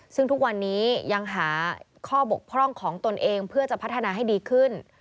ซึ่งทุกวันนี้ยังหาข้อบกพร่องของตนเองเพื่อจะพัฒนาให้ดีขึ้น